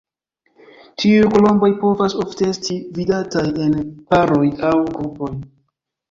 Tiuj kolomboj povas ofte esti vidataj en paroj aŭ grupoj.